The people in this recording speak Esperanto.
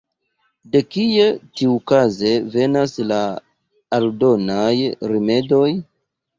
De kie tiukaze venas la aldonaj rimedoj?